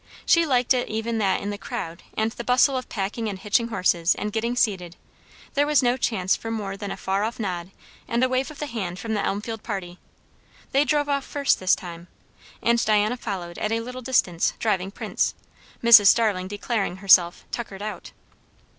She liked it even that in the crowd and the bustle of packing and hitching horses, and getting seated, there was no chance for more than a far off nod and wave of the hand from the Elmfield parly. They drove off first this time. And Diana followed at a little distance, driving Prince; Mrs. Starling declaring herself "tuckered out."